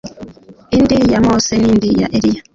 indi ya Mose n indi ya Eliya